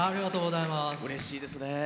うれしいですね。